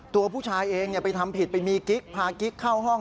ตัวผู้ชายเองไปทำผิดไปมีกิ๊กพากิ๊กเข้าห้อง